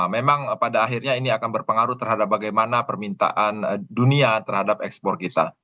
memang pada akhirnya ini akan berpengaruh terhadap bagaimana permintaan dunia terhadap ekspor kita